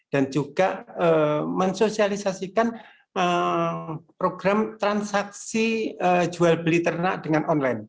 dan juga mensosialisasikan program transaksi jual beli ternak dengan online